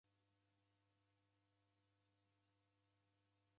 Niendagha mwandunyi.